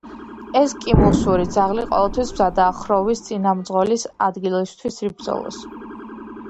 ესკიმოსური ძაღლი ყოველთვის მზადაა ხროვის წინამძღოლის ადგილისთვის იბრძოლოს.